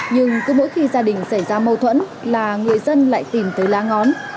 nhưng cứ mỗi khi gia đình xảy ra mâu thuẫn là người dân lại tìm tới lá ngón